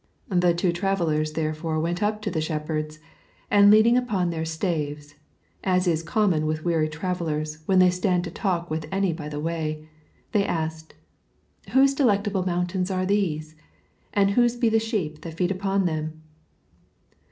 The two travellers therefore went up to the shepherds, and leaning upon their staves (as is common with weary travellers when they stand to talk with any by the way), they asked: Whose delectable mountains are these? and whose be the sheep that feed upon them?